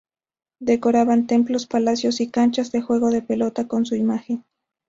Decoraban templos, palacios y canchas de juego de pelota con su imagen.